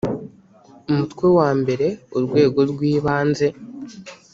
umutwe wa mbere urwego rwibanze